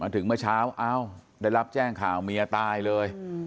ถึงเมื่อเช้าได้รับแจ้งข่าวเมียตายเลย